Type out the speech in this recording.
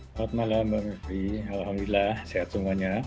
selamat malam mbak mepi alhamdulillah sehat semuanya